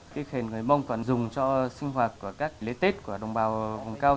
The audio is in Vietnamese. cái khen người mông còn dùng cho sinh hoạt của các lễ tết của đồng bào vùng cao